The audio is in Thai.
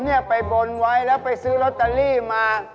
ผมเนี่ยไปบนไว้แล้วไปซื้อร็อตาลีมา